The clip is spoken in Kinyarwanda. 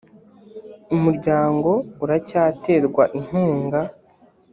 umuryango uracyaterwa inkunga .